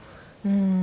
うん。